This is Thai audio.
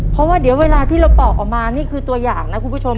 เพราะว่าเดี๋ยวเวลาที่เราปอกออกมานี่คือตัวอย่างนะคุณผู้ชม